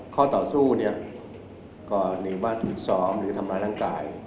ข้อต่อสู้ก็หรือว่าทูดซ้อมหรือทำร้ายร่างกาย